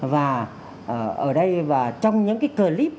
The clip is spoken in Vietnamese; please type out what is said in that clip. và ở đây và trong những cái clip